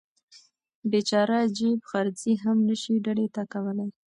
بیچاره جیب خرڅي هم نشي ډډې ته کولی.